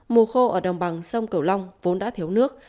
mù khô ở đồng bằng sông cầu long vốn đã thiếu nước